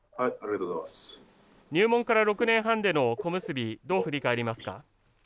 入門から６年半での小結どう振り返りますか？